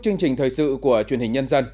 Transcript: chương trình thời sự của truyền hình nhân dân